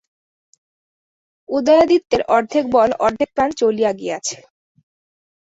উদয়াদিত্যের অর্ধেক বল অর্ধেক প্রাণ চলিয়া গিয়াছে।